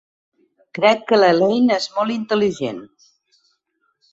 Crec que l'Elaine és molt intel·ligent.